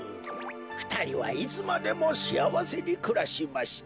ふたりはいつまでもしあわせにくらしました」。